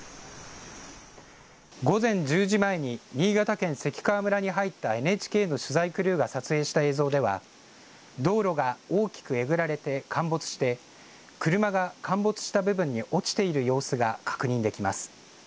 午前１０時前に新潟県関川村に入ったＮＨＫの取材クルーが撮影した映像では道路が大きくえぐられて陥没して車が陥没した部分に落ちている様子が確認できます。